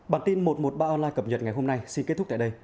bản tin một trăm một mươi ba online cập nhật ngày hôm nay xin kết thúc tại đây